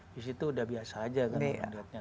di situ sudah biasa saja kan orang lihatnya